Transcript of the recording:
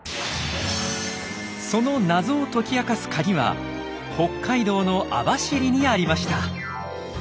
その謎を解き明かすカギは北海道の網走にありました。